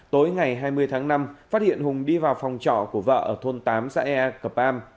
tối ngày hai mươi tháng năm phát hiện hùng đi vào phòng trọ của vợ ở thôn tám xã ea cờ pam